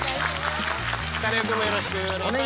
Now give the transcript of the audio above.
カネオくんもよろしくお願いします。